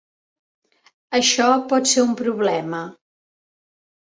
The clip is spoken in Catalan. Això pot ser un problema.